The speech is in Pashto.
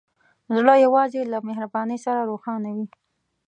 زړه یوازې له مهربانۍ سره روښانه وي.